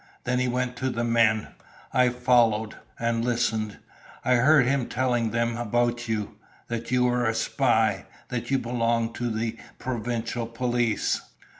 Then he went to the men. I followed and listened. I heard him telling them about you that you were a spy that you belonged to the provincial police...."